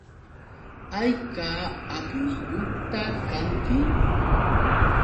¿Hayka apniyuqta kanki?